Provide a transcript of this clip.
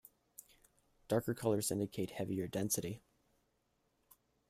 Darker colors indicate heavier density.